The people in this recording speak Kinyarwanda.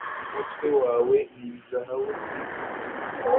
Umutwe wawe ni zahabu nziza